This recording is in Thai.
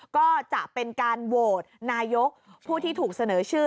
ก็จะเป็นการโหวตนายกผู้ที่ถูกเสนอชื่อ